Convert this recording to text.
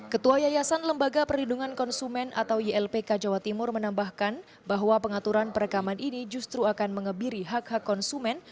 ketua yayasan lembaga perlindungan konsumen atau ylpk jawa timur menambahkan bahwa pengaturan perekaman ini justru akan mengebiri hak hak konsumen